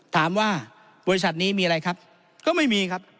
ถามว่าบริษัทนี้มีอะไรครับก็ไม่มีครับ